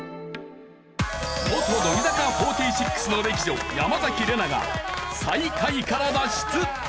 元乃木坂４６の歴女山崎怜奈が最下位から脱出！